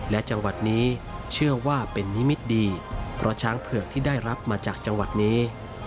และจังหวัดนี้เชื่อว่าเป็นนิมิตดีเพราะช้างเผือกที่ได้รับมาจากจังหวัดนี้